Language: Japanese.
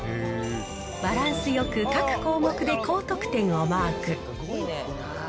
バランスよく各項目で高得点をマーク。